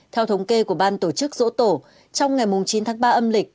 theo thống kê của ban tổ chức dỗ tổ trong ngày chín tháng ba âm lịch